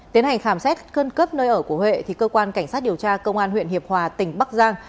tiến hành khám xét khẩn cấp nơi ở của huệ thì cơ quan cảnh sát điều tra công an huyện hiệp hòa tỉnh bắc giang